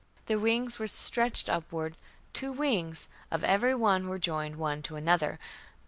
their wings were stretched upward: two wings of every one were joined one to another....